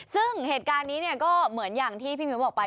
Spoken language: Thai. ซึ่งเหตุการณ์นี้เนี่ยก็เหมือนอย่างที่พี่มิ้วบอกไป